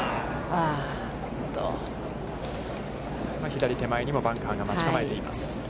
左手前にもバンカーが待ち構えています。